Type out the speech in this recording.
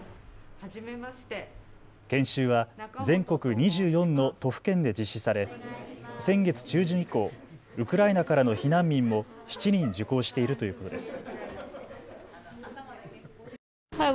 研修は全国２４の都府県で実施され先月中旬以降、ウクライナからの避難民も７人受講しているということです。